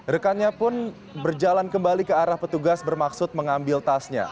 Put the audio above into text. rekannya pun berjalan kembali ke arah petugas bermaksud mengambil tasnya